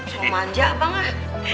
sama aja abang ah